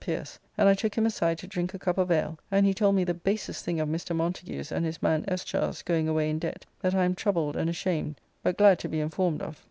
Pierce, and I took him aside to drink a cup of ale, and he told me the basest thing of Mr. Montagu's and his man Eschar's going away in debt, that I am troubled and ashamed, but glad to be informed of.